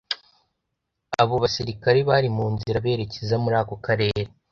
Abo basirikare bari mu nzira berekeza muri ako karere